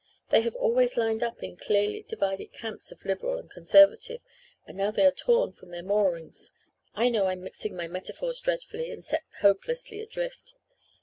They have always lined up in clearly divided camps of Liberal and Conservative, and now they are torn from their moorings I know I'm mixing my metaphors dreadfully and set hopelessly adrift.